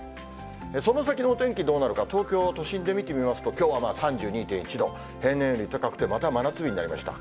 その先のお天気どうなるか、東京都心で見てみますと、きょうは３２．１度、平年より高くて、また真夏日になりました。